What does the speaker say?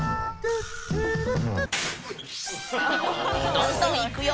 どんどんいくよ！